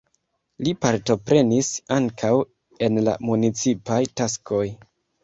Li partoprenis ankaŭ en la municipaj taskoj.